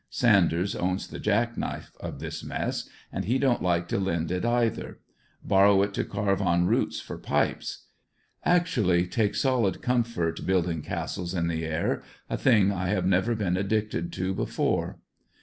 Sanders owns the jack knife, of this mess, and he don't like to lend it either; borrow it to carve on roots for pipes. Actually take solid comfort "building castles in the air," a thing I have never been addicted to before.